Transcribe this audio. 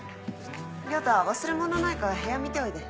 亮太忘れ物ないか部屋見ておいで。